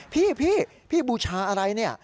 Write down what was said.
พี่พี่บูชาอะไรเนี่ย